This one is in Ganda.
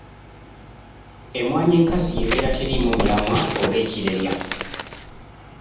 Emmwanyi enkazi y'ebeera teriimu mulamwa oba ekirerya.